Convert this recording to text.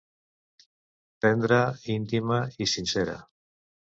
Tendra, íntima i sincera.